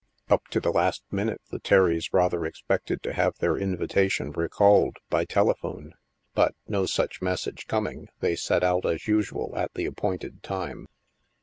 Up to the last minute the Terrys rather expected to have their invitation recalled by tele^ phone; but, no such message coming, they set out as usual at the appointed time.